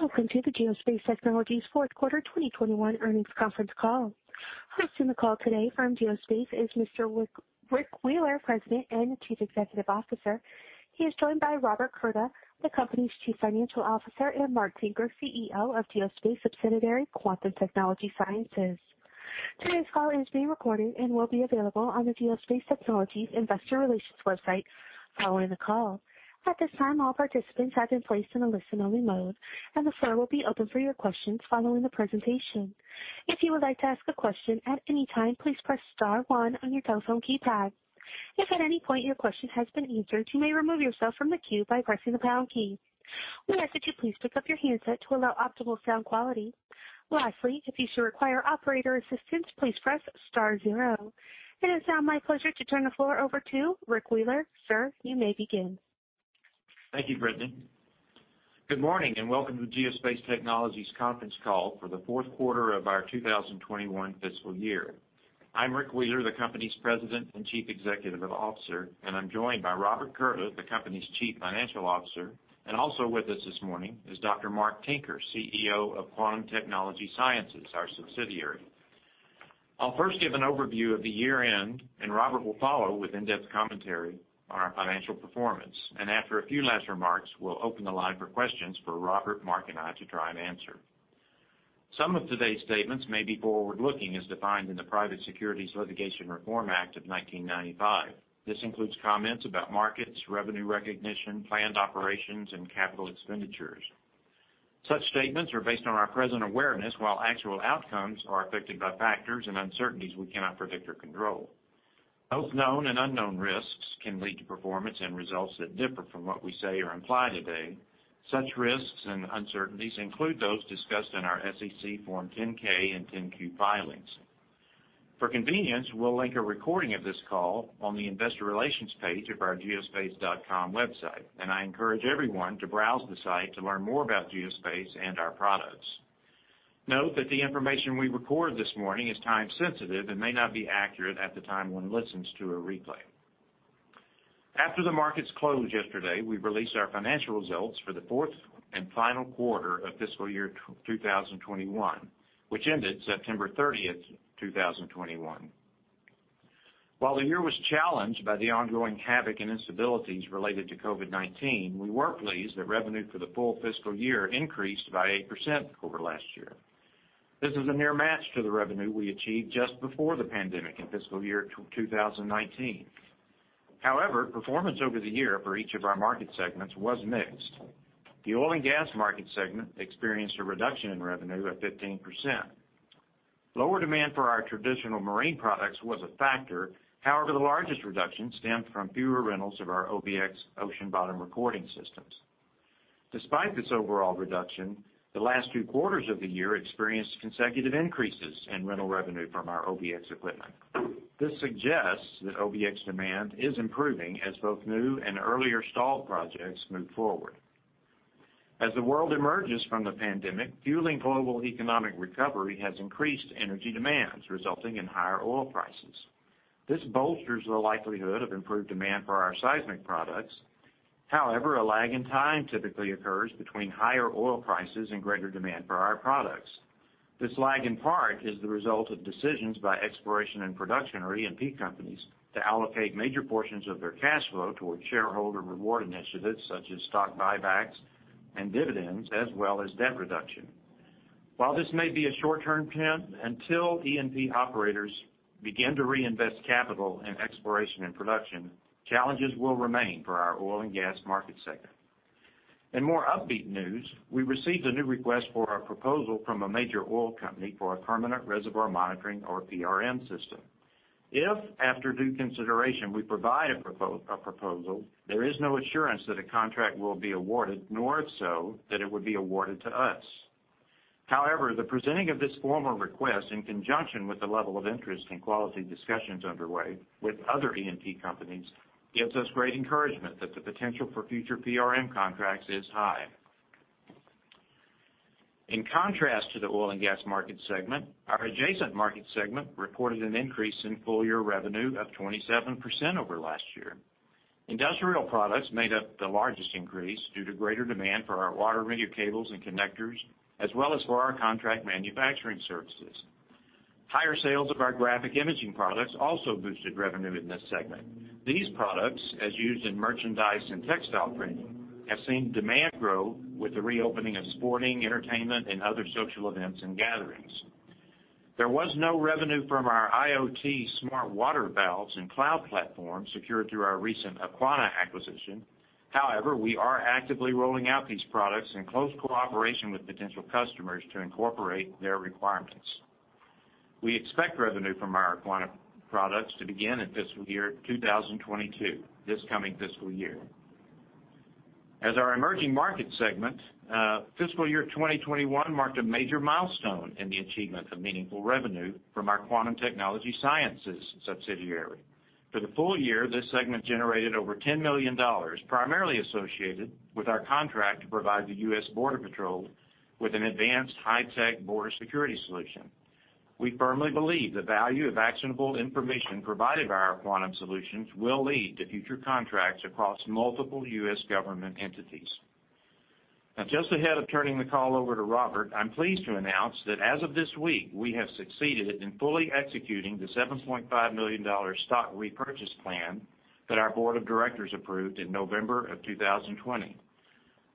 Welcome to the Geospace Technologies fourth quarter 2021 earnings conference call. Hosting the call today from Geospace is Mr. Rick Wheeler, President and Chief Executive Officer. He is joined by Robert Curda, the company's Chief Financial Officer, and Mark Tinker, CEO of Geospace subsidiary, Quantum Technology Sciences. Today's call is being recorded and will be available on the Geospace Technologies investor relations website following the call. At this time, all participants have been placed in a listen-only mode, and the floor will be open for your questions following the presentation. If you would like to ask a question at any time, please press star one on your telephone keypad. If at any point your question has been answered, you may remove yourself from the queue by pressing the pound key. We ask that you please pick up your handset to allow optimal sound quality. Lastly, if you should require operator assistance, please press star zero. It is now my pleasure to turn the floor over to Rick Wheeler. Sir, you may begin. Thank you, Brittany. Good morning and welcome to Geospace Technologies conference call for the fourth quarter of our 2021 fiscal year. I'm Rick Wheeler, the company's President and Chief Executive Officer, and I'm joined by Robert Curda, the company's Chief Financial Officer, and also with us this morning is Dr. Mark Tinker, CEO of Quantum Technology Sciences, our subsidiary. I'll first give an overview of the year-end, and Robert will follow with in-depth commentary on our financial performance. After a few last remarks, we'll open the line for questions for Robert, Mark, and I to try and answer. Some of today's statements may be forward-looking, as defined in the Private Securities Litigation Reform Act of 1995. This includes comments about markets, revenue recognition, planned operations, and capital expenditures. Such statements are based on our present awareness, while actual outcomes are affected by factors and uncertainties we cannot predict or control. Both known and unknown risks can lead to performance and results that differ from what we say or imply today. Such risks and uncertainties include those discussed in our SEC Form 10-K and Form 10-Q filings. For convenience, we'll link a recording of this call on the investor relations page of our geospace.com website, and I encourage everyone to browse the site to learn more about Geospace and our products. Note that the information we record this morning is time sensitive and may not be accurate at the time one listens to a replay. After the markets closed yesterday, we released our financial results for the fourth and final quarter of fiscal year 2021, which ended September 30, 2021. While the year was challenged by the ongoing havoc and instabilities related to COVID-19, we were pleased that revenue for the full fiscal year increased by 8% over last year. This is a near match to the revenue we achieved just before the pandemic in fiscal year 2019. However, performance over the year for each of our market segments was mixed. The oil and gas market segment experienced a reduction in revenue of 15%. Lower demand for our traditional marine products was a factor. However, the largest reduction stemmed from fewer rentals of our OBX ocean bottom recording systems. Despite this overall reduction, the last two quarters of the year experienced consecutive increases in rental revenue from our OBX equipment. This suggests that OBX demand is improving as both new and earlier stalled projects move forward. As the world emerges from the pandemic, fueling global economic recovery has increased energy demands, resulting in higher oil prices. This bolsters the likelihood of improved demand for our seismic products. However, a lag in time typically occurs between higher oil prices and greater demand for our products. This lag, in part, is the result of decisions by exploration and production or E&P companies to allocate major portions of their cash flow towards shareholder reward initiatives such as stock buybacks and dividends, as well as debt reduction. While this may be a short-term trend, until E&P operators begin to reinvest capital in exploration and production, challenges will remain for our oil and gas market segment. In more upbeat news, we received a new request for a proposal from a major oil company for a permanent reservoir monitoring or PRM system. If, after due consideration, we provide a proposal, there is no assurance that a contract will be awarded, nor if so, that it would be awarded to us. However, the presenting of this formal request in conjunction with the level of interest and quality discussions underway with other E&P companies gives us great encouragement that the potential for future PRM contracts is high. In contrast to the oil and gas market segment, our adjacent market segment reported an increase in full-year revenue of 27% over last year. Industrial products made up the largest increase due to greater demand for our HydroConn water meter cables and connectors, as well as for our contract manufacturing services. Higher sales of our graphic imaging products also boosted revenue in this segment. These products, as used in merchandise and textile printing, have seen demand grow with the reopening of sporting, entertainment, and other social events and gatherings. There was no revenue from our IoT smart water valves and cloud platform secured through our recent Aquana acquisition. However, we are actively rolling out these products in close cooperation with potential customers to incorporate their requirements. We expect revenue from our Aquana products to begin in fiscal year 2022, this coming fiscal year. As our emerging market segment, fiscal year 2021 marked a major milestone in the achievement of meaningful revenue from our Quantum Technology Sciences subsidiary. For the full year, this segment generated over $10 million, primarily associated with our contract to provide the U.S. Border Patrol with an advanced high-tech border security solution. We firmly believe the value of actionable information provided by our Quantum solutions will lead to future contracts across multiple U.S. government entities. Now just ahead of turning the call over to Robert, I'm pleased to announce that as of this week, we have succeeded in fully executing the $7.5 million stock repurchase plan that our board of directors approved in November of 2020.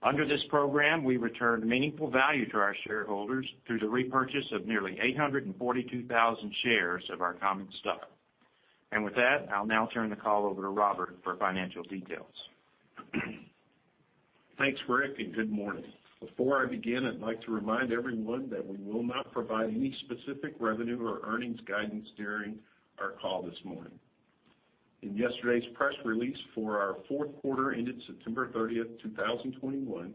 Under this program, we returned meaningful value to our shareholders through the repurchase of nearly 842,000 shares of our common stock. With that, I'll now turn the call over to Robert for financial details. Thanks, Rick, and good morning. Before I begin, I'd like to remind everyone that we will not provide any specific revenue or earnings guidance during our call this morning. In yesterday's press release for our fourth quarter ended September 30, 2021,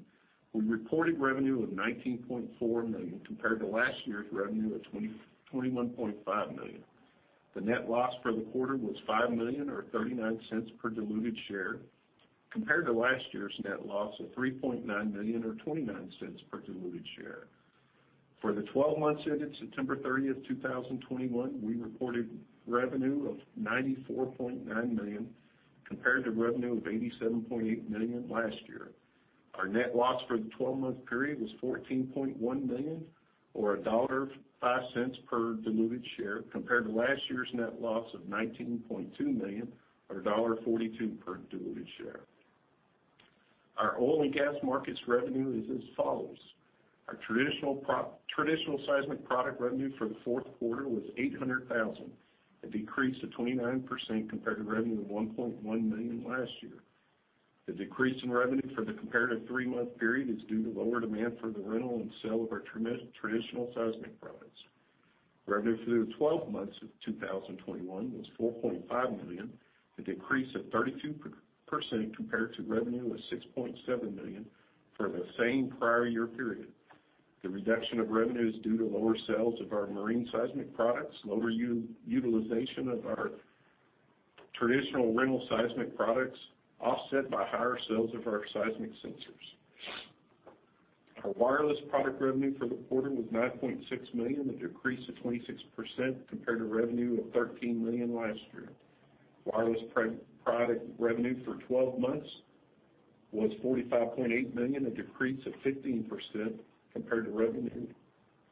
we reported revenue of $19.4 million compared to last year's revenue of $21.5 million. The net loss for the quarter was $5 million or $0.39 per diluted share compared to last year's net loss of $3.9 million or $0.29 per diluted share. For the 12 months ended September 30, 2021, we reported revenue of $94.9 million compared to revenue of $87.8 million last year. Our net loss for the 12-month period was $14.1 million or $0.05 per diluted share compared to last year's net loss of $19.2 million or $1.42 per diluted share. Our oil and gas markets revenue is as follows. Our traditional seismic product revenue for the fourth quarter was $800,000, a decrease of 29% compared to revenue of $1.1 million last year. The decrease in revenue for the comparative three-month period is due to lower demand for the rental and sale of our traditional seismic products. Revenue through the 12 months of 2021 was $4.5 million, a decrease of 32% compared to revenue of $6.7 million for the same prior year period. The reduction of revenue is due to lower sales of our marine seismic products, lower utilization of our traditional rental seismic products, offset by higher sales of our seismic sensors. Our wireless product revenue for the quarter was $9.6 million, a decrease of 26% compared to revenue of $13 million last year. Wireless product revenue for 12 months was $45.8 million, a decrease of 15% compared to revenue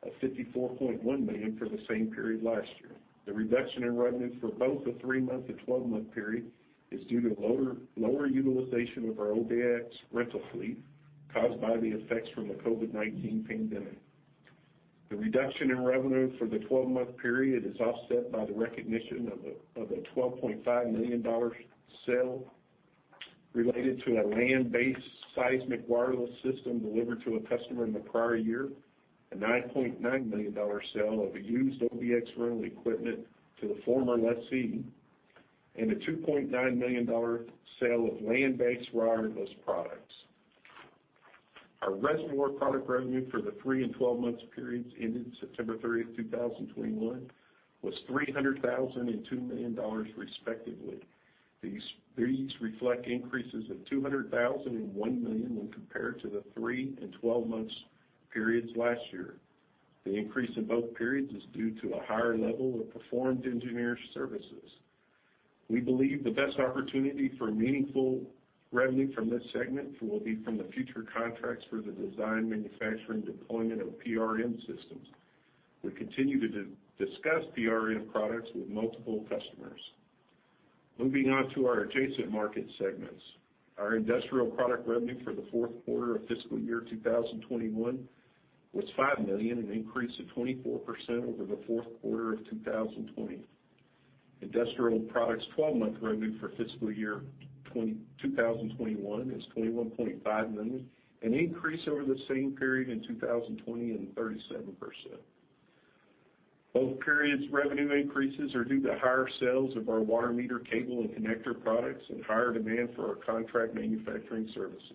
of $54.1 million for the same period last year. The reduction in revenue for both the three-month and 12-month period is due to lower utilization of our OBX rental fleet caused by the effects from the COVID-19 pandemic. The reduction in revenue for the 12-month period is offset by the recognition of a $12.5 million sale related to a land-based seismic wireless system delivered to a customer in the prior year, a $9.9 million sale of a used OBX rental equipment to the former lessee, and a $2.9 million sale of land-based wireless products. Our reservoir product revenue for the three- and 12-month periods ending September 30, 2021 was $300,000 and $2 million, respectively. These reflect increases of $200,000 and $1 million when compared to the three- and 12-month periods last year. The increase in both periods is due to a higher level of performed engineering services. We believe the best opportunity for meaningful revenue from this segment will be from the future contracts for the design, manufacturing, deployment of PRM systems. We continue to discuss PRM products with multiple customers. Moving on to our adjacent market segments. Our industrial product revenue for the fourth quarter of fiscal year 2021 was $5 million, an increase of 24% over the fourth quarter of 2020. Industrial products 12-month revenue for fiscal year 2021 is $21.5 million, an increase over the same period in 2020 and 37%. Both periods' revenue increases are due to higher sales of our water meter cable and connector products and higher demand for our contract manufacturing services.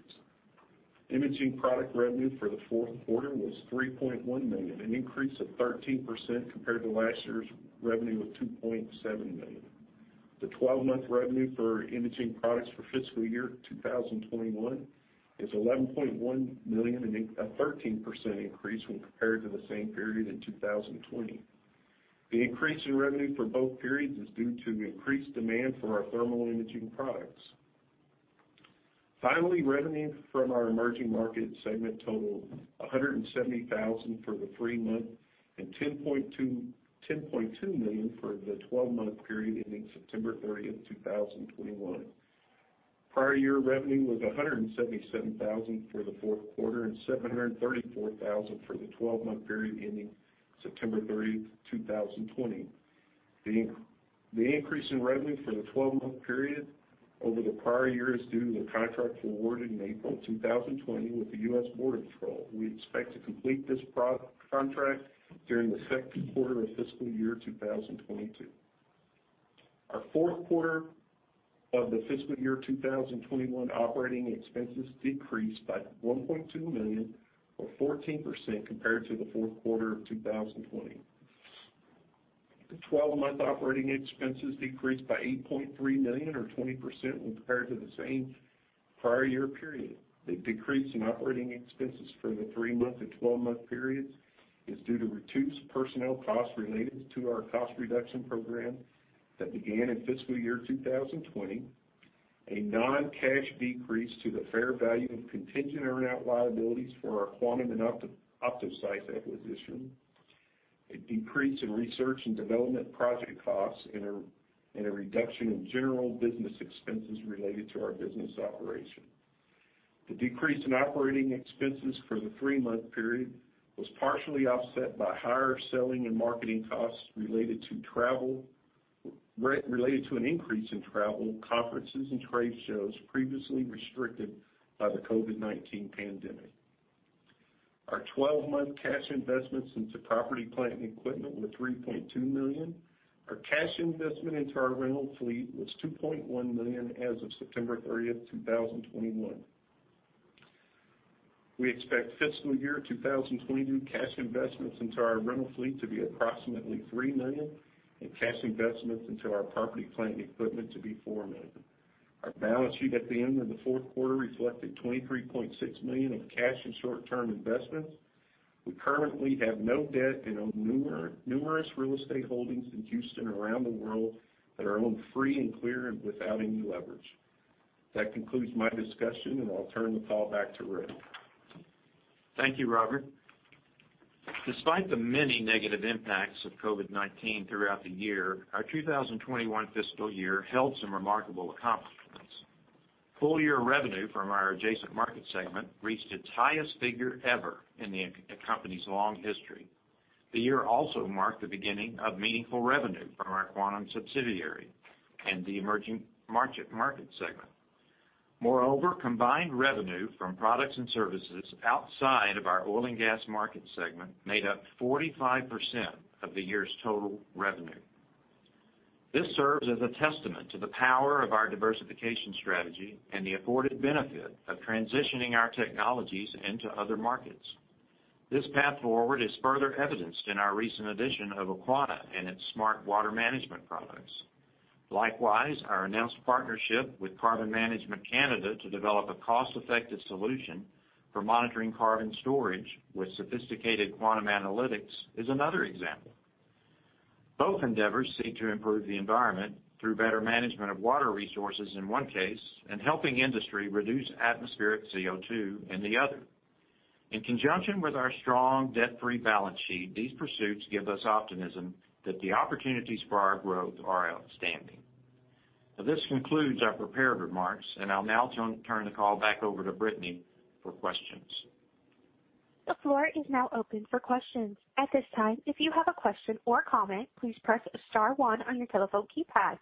Imaging product revenue for the fourth quarter was $3.1 million, an increase of 13% compared to last year's revenue of $2.7 million. The 12-month revenue for imaging products for fiscal year 2021 is $11.1 million, a 13% increase when compared to the same period in 2020. The increase in revenue for both periods is due to increased demand for our thermal imaging products. Finally, revenue from our emerging market segment totaled $170,000 for the three-month and $10.2 million for the 12-month period ending September 30, 2021. Prior year revenue was $177,000 for the fourth quarter and $734,000 for the 12-month period ending September 30, 2020. The increase in revenue for the 12-month period over the prior year is due to a contract awarded in April 2020 with the U.S. Border Patrol. We expect to complete this contract during the second quarter of fiscal year 2022. Our fourth quarter of the fiscal year 2021 operating expenses decreased by $1.2 million or 14% compared to the fourth quarter of 2020. The 12-month operating expenses decreased by $8.3 million or 20% when compared to the same prior year period. The decrease in operating expenses for the three-month and 12-month periods is due to reduced personnel costs related to our cost reduction program that began in fiscal year 2020. A non-cash decrease to the fair value of contingent earn-out liabilities for our Quantum and OptoSeis acquisition. A decrease in research and development project costs and a reduction in general business expenses related to our business operation. The decrease in operating expenses for the three-month period was partially offset by higher selling and marketing costs related to travel related to an increase in travel, conferences, and trade shows previously restricted by the COVID-19 pandemic. Our 12-month cash investments into property, plant, and equipment were $3.2 million. Our cash investment into our rental fleet was $2.1 million as of September 30, 2021. We expect fiscal year 2022 cash investments into our rental fleet to be approximately $3 million and cash investments into our property, plant, and equipment to be $4 million. Our balance sheet at the end of the fourth quarter reflected $23.6 million of cash and short-term investments. We currently have no debt and own numerous real estate holdings in Houston and around the world that are owned free and clear and without any leverage. That concludes my discussion, and I'll turn the call back to Rick. Thank you, Robert. Despite the many negative impacts of COVID-19 throughout the year, our 2021 fiscal year held some remarkable accomplishments. Full year revenue from our adjacent market segment reached its highest figure ever in the company's long history. The year also marked the beginning of meaningful revenue from our Quantum subsidiary and the emerging market segment. Moreover, combined revenue from products and services outside of our oil and gas market segment made up 45% of the year's total revenue. This serves as a testament to the power of our diversification strategy and the afforded benefit of transitioning our technologies into other markets. This path forward is further evidenced in our recent addition of Aquana and its smart water management products. Likewise, our announced partnership with Carbon Management Canada to develop a cost-effective solution for monitoring carbon storage with sophisticated quantum analytics is another example. Both endeavors seek to improve the environment through better management of water resources in one case, and helping industry reduce atmospheric CO2 in the other. In conjunction with our strong debt-free balance sheet, these pursuits give us optimism that the opportunities for our growth are outstanding. This concludes our prepared remarks, and I'll now turn the call back over to Brittany for questions. The floor is now open for questions. At this time, if you have a question or comment, please press star one on your telephone keypad.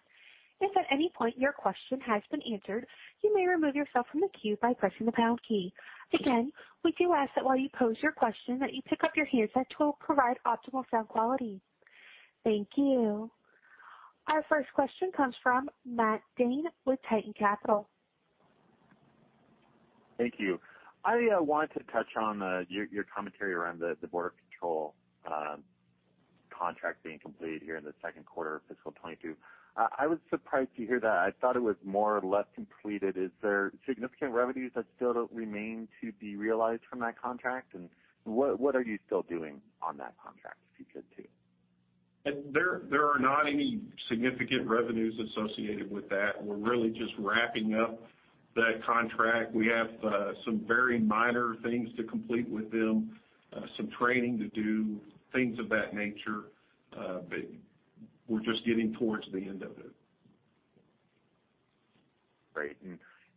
If at any point your question has been answered, you may remove yourself from the queue by pressing the pound key. Again, we do ask that while you pose your question, that you pick up your headset to provide optimal sound quality. Thank you. Our first question comes from Matt Dhane with Tieton Capital. Thank you. I wanted to touch on your commentary around the Border Patrol contract being completed here in the second quarter of fiscal 2022. I was surprised to hear that. I thought it was more or less completed. Is there significant revenues that still remain to be realized from that contract? What are you still doing on that contract, if you could, too? There are not any significant revenues associated with that. We're really just wrapping up that contract. We have some very minor things to complete with them, some training to do, things of that nature, but we're just getting towards the end of it. Great.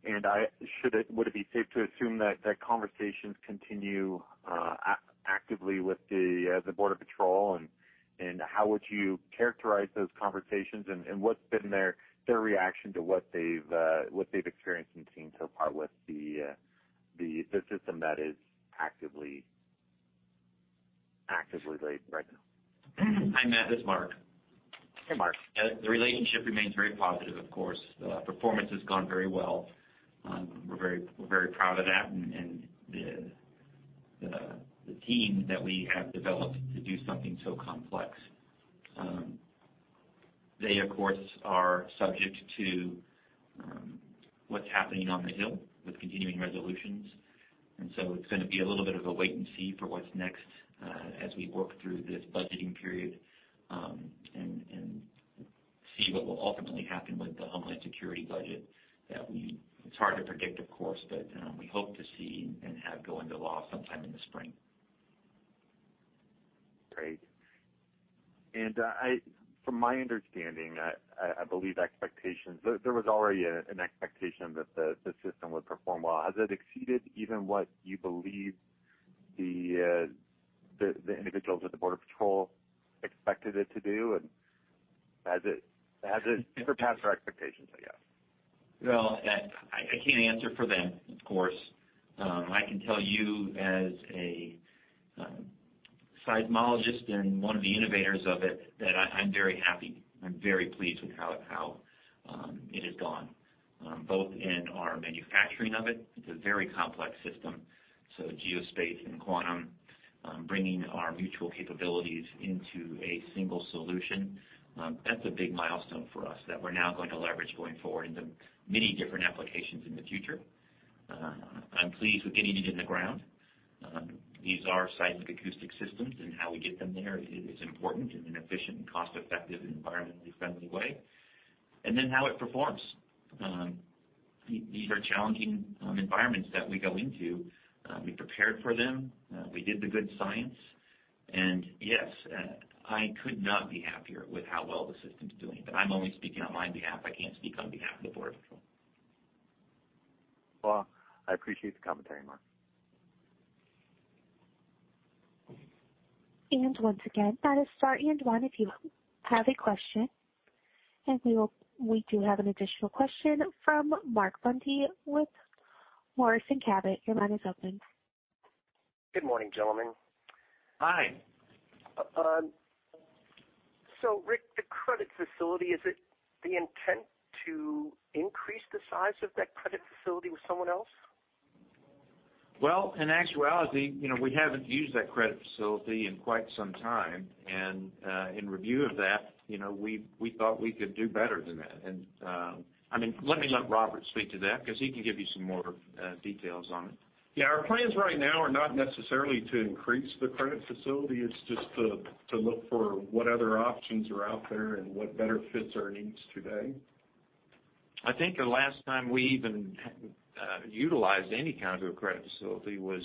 Would it be safe to assume that conversations continue actively with the Border Patrol? How would you characterize those conversations? What's been their reaction to what they've experienced and seen so far with the system that is actively live right now? Hi, Matt, this is Mark. Hey, Mark. The relationship remains very positive, of course. Performance has gone very well. We're very proud of that and the team that we have developed to do something so complex. They, of course, are subject to what's happening on the Hill with continuing resolutions. It's gonna be a little bit of a wait and see for what's next, as we work through this budgeting period, and see what will ultimately happen with the Homeland Security budget. It's hard to predict, of course, but we hope to see and have go into law sometime in the spring. Great. From my understanding, I believe there was already an expectation that the system would perform well. Has it exceeded even what you believe the individuals at the Border Patrol expected it to do? Has it surpassed your expectations, I guess? Well, I can't answer for them, of course. I can tell you as a seismologist and one of the innovators of it, that I'm very happy. I'm very pleased with how it has gone, both in our manufacturing of it. It's a very complex system, so Geospace and Quantum bringing our mutual capabilities into a single solution, that's a big milestone for us that we're now going to leverage going forward into many different applications in the future. I'm pleased with getting it in the ground. These are seismic acoustic systems, and how we get them there is important in an efficient and cost-effective and environmentally friendly way. Then how it performs. These are challenging environments that we go into. We prepared for them. We did the good science. Yes, I could not be happier with how well the system's doing. I'm only speaking on my behalf. I can't speak on behalf of the board. Well, I appreciate the commentary, Mark. Once again, that is star one if you have a question. We do have an additional question from Mark Bundy with Moors & Cabot. Your line is open. Good morning, gentlemen. Hi. Rick, the credit facility, is it the intent to increase the size of that credit facility with someone else? Well, in actuality, you know, we haven't used that credit facility in quite some time. In review of that, you know, we thought we could do better than that. I mean, let me let Robert speak to that because he can give you some more details on it. Yeah. Our plans right now are not necessarily to increase the credit facility. It's just to look for what other options are out there and what better fits our needs today. I think the last time we even utilized any kind of a credit facility was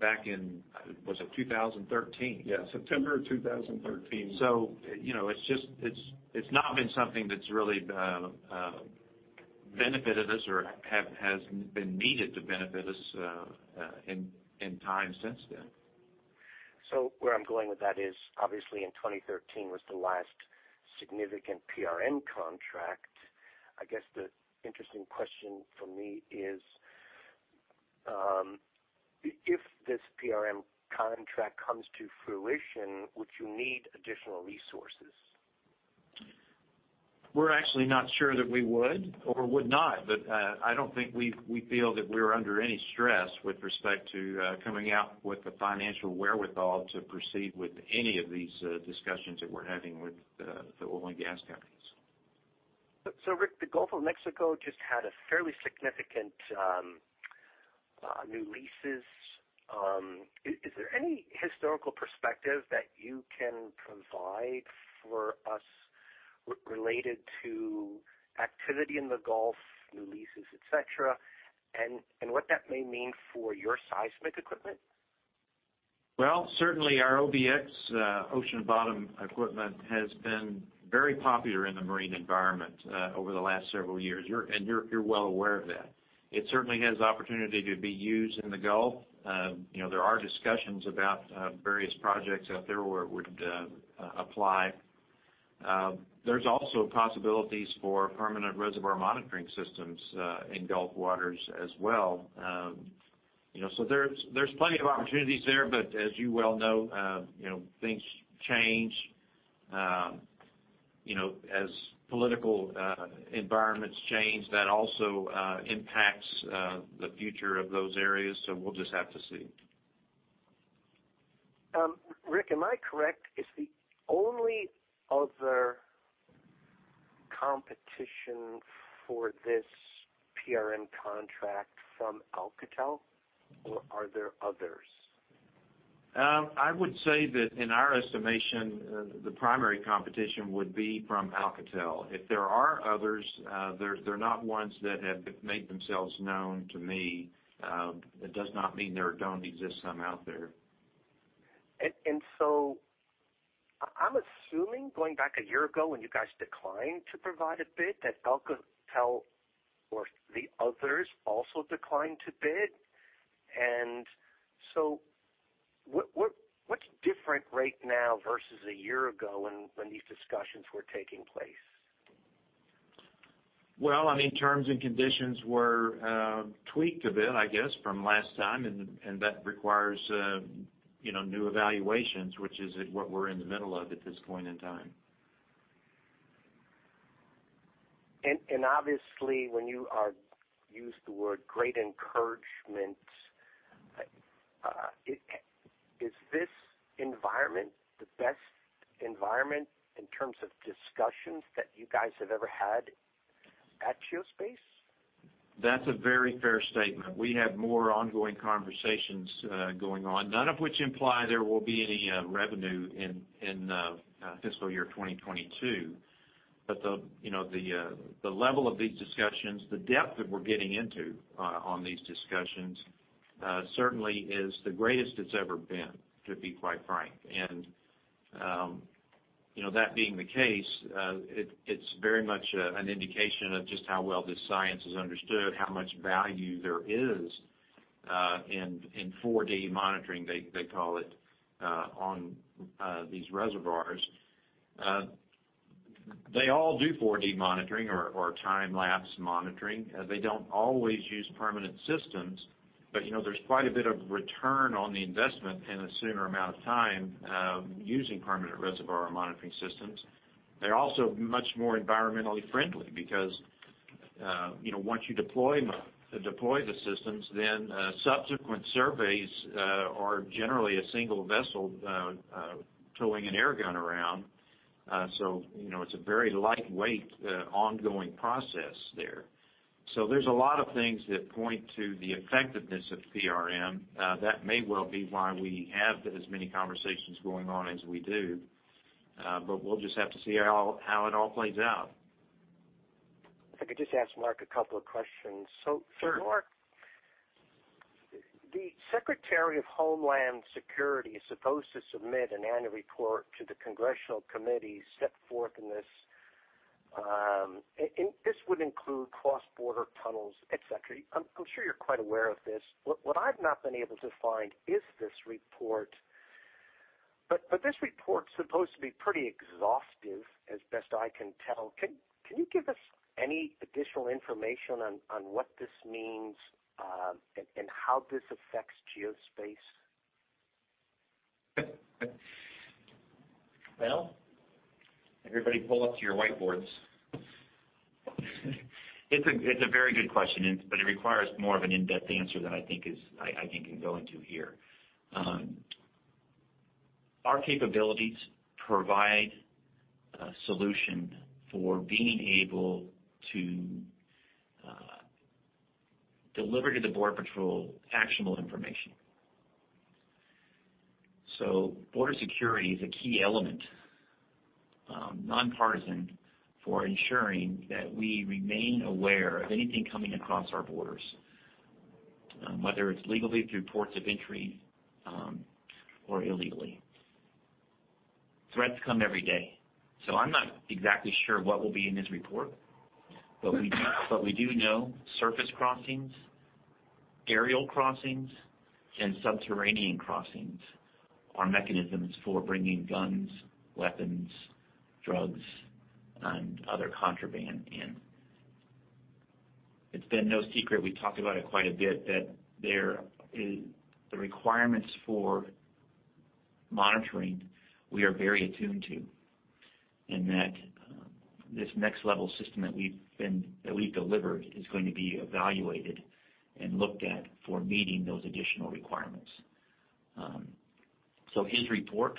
back in 2013? Yeah. September 2013. You know, it's just not been something that's really benefited us or has been needed to benefit us in time since then. Where I'm going with that is, obviously in 2013 was the last significant PRM contract. I guess the interesting question for me is, if this PRM contract comes to fruition, would you need additional resources? We're actually not sure that we would or would not, but I don't think we feel that we're under any stress with respect to coming out with the financial wherewithal to proceed with any of these discussions that we're having with the oil and gas companies. Rick, the Gulf of Mexico just had a fairly significant new leases. Is there any historical perspective that you can provide for us related to activity in the Gulf, new leases, etc, and what that may mean for your seismic equipment? Well, certainly our OBX ocean bottom equipment has been very popular in the marine environment over the last several years. You're well aware of that. It certainly has opportunity to be used in the Gulf. You know, there are discussions about various projects out there where it would apply. There's also possibilities for permanent reservoir monitoring systems in Gulf waters as well. You know, there's plenty of opportunities there, but as you well know, things change. You know, as political environments change, that also impacts the future of those areas, so we'll just have to see. Rick, am I correct, is the only other competition for this PRM contract from Alcatel, or are there others? I would say that in our estimation, the primary competition would be from Alcatel. If there are others, they're not ones that have made themselves known to me. It does not mean there don't exist some out there. I'm assuming going back a year ago when you guys declined to provide a bid that Alcatel or the others also declined to bid. What's different right now versus a year ago when these discussions were taking place? Well, I mean, terms and conditions were tweaked a bit, I guess, from last time, and that requires, you know, new evaluations, which is what we're in the middle of at this point in time. Obviously, when you used the word great encouragement, is this environment the best environment in terms of discussions that you guys have ever had at Geospace? That's a very fair statement. We have more ongoing con versations going on, none of which imply there will be any revenue in fiscal year 2022. The, you know, the level of these discussions, the depth that we're getting into on these discussions certainly is the greatest it's ever been, to be quite frank. You know, that being the case, it's very much an indication of just how well this science is understood, how much value there is in 4D monitoring, they call it on these reservoirs. They all do 4D monitoring or time-lapse monitoring. They don't always use permanent systems. You know, there's quite a bit of return on the investment in a shorter amount of time using permanent reservoir monitoring systems. They're also much more environmentally friendly because, you know, once you deploy the systems, then subsequent surveys are generally a single vessel towing an air gun around. You know, it's a very lightweight ongoing process there. There's a lot of things that point to the effectiveness of PRM that may well be why we have as many conversations going on as we do. We'll just have to see how it all plays out. If I could just ask Mark a couple of questions. Sure. Mark, the Secretary of Homeland Security is supposed to submit an annual report to the congressional committee set forth in this, and this would include cross-border tunnels, etc. I'm sure you're quite aware of this. What I've not been able to find is this report. This report's supposed to be pretty exhaustive as best I can tell. Can you give us any additional information on what this means, and how this affects Geospace? Well, everybody pull up to your whiteboards. It's a very good question, but it requires more of an in-depth answer than I think can go into here. Our capabilities provide a solution for being able to deliver to the Border Patrol actionable information. Border security is a key element, nonpartisan for ensuring that we remain aware of anything coming across our borders, whether it's legally through ports of entry, or illegally. Threats come every day. I'm not exactly sure what will be in this report. We do know surface crossings, aerial crossings, and subterranean crossings are mechanisms for bringing guns, weapons, drugs, and other contraband in. It's been no secret, we talked about it quite a bit, that the requirements for monitoring, we are very attuned to. that this next level system that we've delivered is going to be evaluated and looked at for meeting those additional requirements. His report,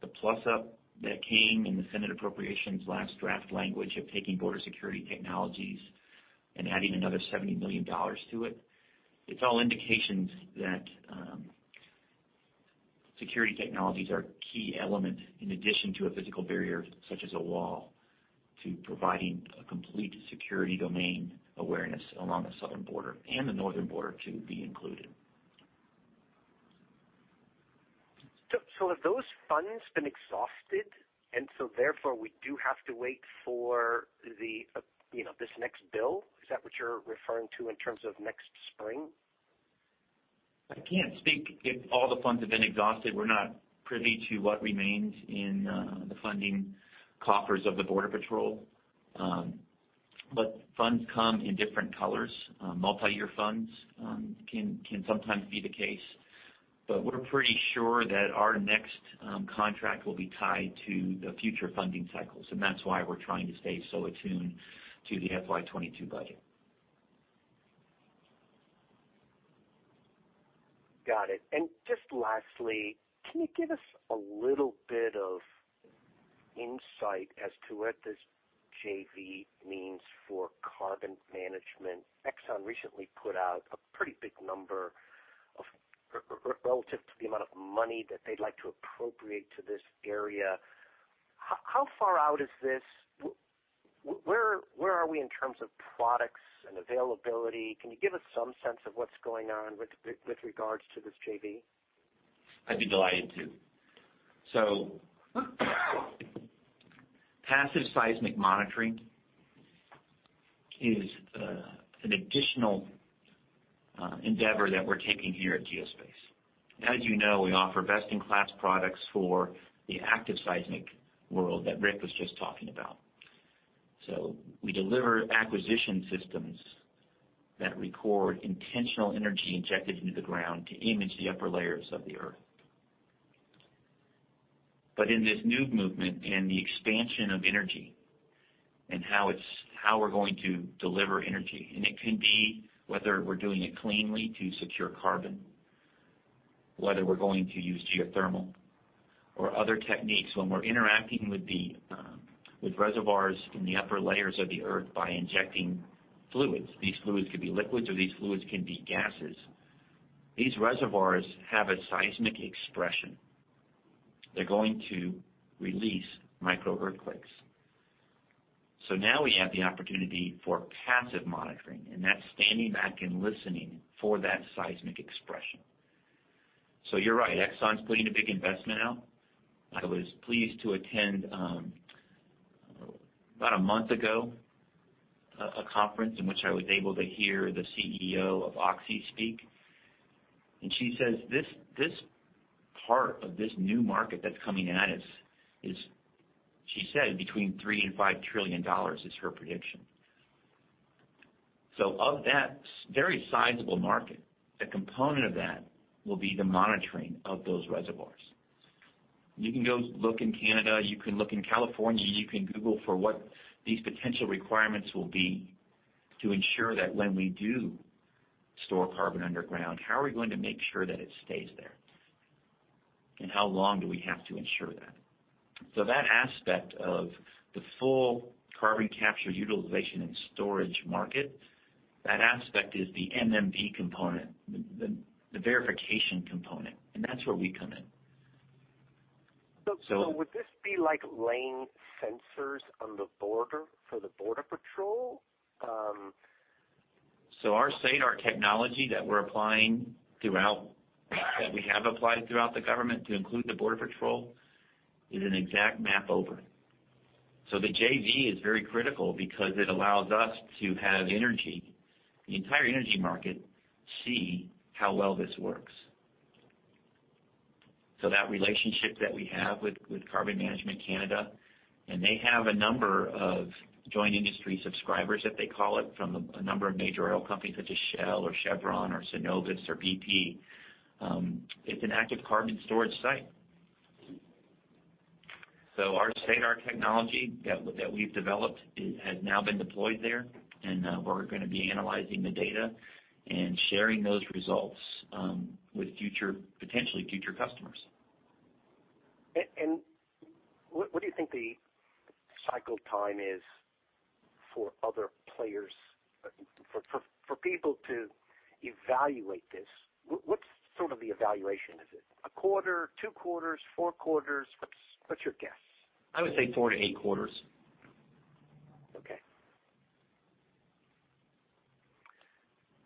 the plus-up that came in the Senate Appropriations last draft language of taking border security technologies and adding another $70 million to it's all indications that security technologies are a key element in addition to a physical barrier such as a wall, to providing a complete security domain awareness along the southern border and the northern border to be included. Have those funds been exhausted, and so therefore we do have to wait for the, you know, this next bill? Is that what you're referring to in terms of next spring? I can't speak if all the funds have been exhausted. We're not privy to what remains in the funding coffers of the Border Patrol. Funds come in different colors. Multiyear funds can sometimes be the case. We're pretty sure that our next contract will be tied to the future funding cycles, and that's why we're trying to stay so attuned to the FY 2022 budget. Got it. Just lastly, can you give us a little bit of insight as to what this JV means for carbon management? Exxon recently put out a pretty big number relative to the amount of money that they'd like to appropriate to this area. How far out is this? Where are we in terms of products and availability? Can you give us some sense of what's going on with regards to this JV? I'd be delighted to. Passive seismic monitoring is an additional endeavor that we're taking here at Geospace. As you know, we offer best-in-class products for the active seismic world that Rick was just talking about. We deliver acquisition systems that record intentional energy injected into the ground to image the upper layers of the Earth. In this new movement and the expansion of energy and how we're going to deliver energy, and it can be whether we're doing it cleanly to secure carbon, whether we're going to use geothermal or other techniques when we're interacting with the reservoirs in the upper layers of the Earth by injecting fluids. These fluids could be liquids, or these fluids can be gases. These reservoirs have a seismic expression. They're going to release micro earthquakes. Now we have the opportunity for passive monitoring, and that's standing back and listening for that seismic expression. You're right, Exxon’s putting a big investment out. I was pleased to attend about a month ago a conference in which I was able to hear the CEO of Oxy speak. She says this part of this new market that's coming at us is she said between $3 trillion-$5 trillion is her prediction. Of that very sizable market, the component of that will be the monitoring of those reservoirs. You can go look in Canada, you can look in California, you can Google for what these potential requirements will be to ensure that when we do store carbon underground, how are we going to make sure that it stays there? How long do we have to ensure that? That aspect of the full carbon capture, utilization, and storage market, that aspect is the MRV component, the verification component, and that's where we come in. Would this be like laying sensors on the border for the Border Patrol? Our SADAR technology that we have applied throughout the government to include the Border Patrol is an exact map over it. The JV is very critical because it allows us to have the energy market see how well this works. That relationship that we have with Carbon Management Canada, and they have a number of joint industry subscribers that they call it from a number of major oil companies such as Shell or Chevron or Cenovus or BP. It's an active carbon storage site. Our SADAR technology that we've developed has now been deployed there, and we're gonna be analyzing the data and sharing those results with potentially future customers. What do you think the cycle time is for other players, for people to evaluate this? What's sort of the evaluation? Is it a quarter, two quarters, four quarters? What's your guess? I would say 4 to 8 quarters. Okay.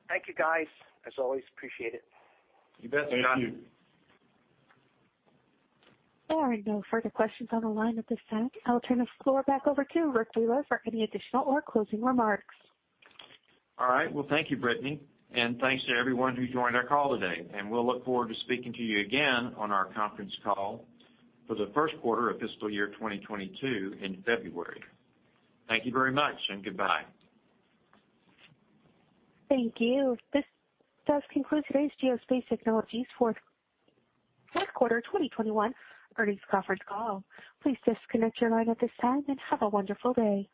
Thank you, guys. As always, appreciate it. You bet. Thank you. There are no further questions on the line at this time. I'll turn the floor back over to Rick Wheeler for any additional or closing remarks. All right. Well, thank you, Brittany. Thanks to everyone who joined our call today, and we'll look forward to speaking to you again on our conference call for the first quarter of fiscal year 2022 in February. Thank you very much and goodbye. Thank you. This does conclude today's Geospace Technologies fourth quarter 2021 earnings conference call. Please disconnect your line at this time and have a wonderful day.